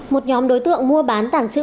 một nhóm đối tượng mua bán tàng trữ